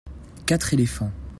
quatre éléphants.